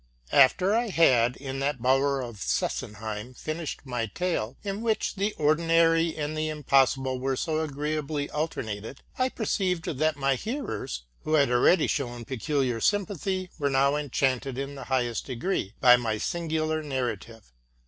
ELEVENTH BOOK. Arter I had, in that bower of Sesenheim, finished my tale, in which the ordinary and the impossible so agreeably alter nated, I perceived that my hearers, who had already shown pecuhar sympathy, were now enchanted in the highest degree by my singular narrative.